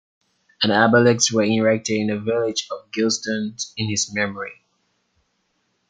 An obelisk was erected in the village of Gelston in his memory.